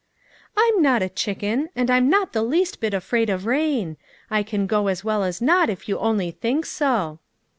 " I'm not a chicken, and I'm not the least est bit afraid of rain ; I can go as well as not if you only think so."